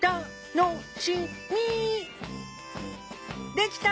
できた！